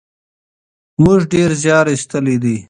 موږ ډېر زیار ایستلی دی.